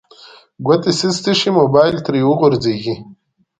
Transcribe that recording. ګوتې سستې شي موبایل ترې وغورځیږي